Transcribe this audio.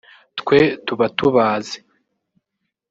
“Twe tuba tubazi